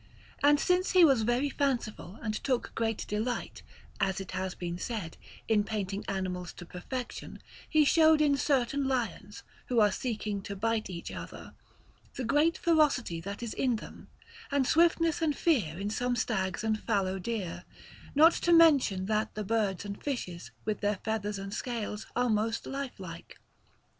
And since he was very fanciful and took great delight, as it has been said, in painting animals to perfection, he showed in certain lions, who are seeking to bite each other, the great ferocity that is in them, and swiftness and fear in some stags and fallow deer; not to mention that the birds and fishes, with their feathers and scales, are most lifelike.